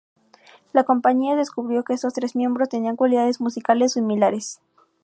La compañía descubrió que estos tres miembros tenían cualidades musicales similares.